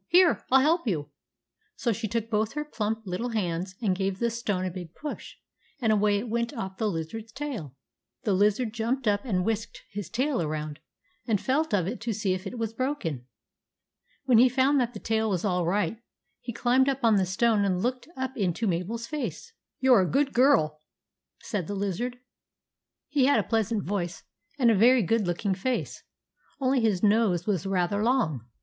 " Here, I '11 help you." So she took both her plump little hands and gave the stone a big push, and away it went off from the lizard's tail. The lizard jumped up and whisked his tail around and felt of it to see if it was broken. When he found that the tail was all right, he climbed up on the stone and looked up into Mabel's face. " You are a good girl," said the lizard. He had a pleasant voice and a very good looking face, only his nose was rather long.